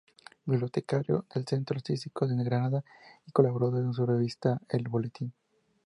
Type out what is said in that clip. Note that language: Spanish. Bibliotecario del Centro Artístico de Granada y colaborador de su revista el "Boletín".